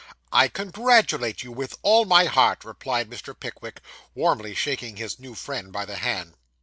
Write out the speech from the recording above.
'I congratulate you, with all my heart,' replied Mr. Pickwick, warmly shaking his new friend by the hand.